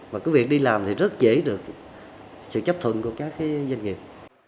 và cái việc đi làm thì rất dễ được sự chấp thuận của các doanh nghiệp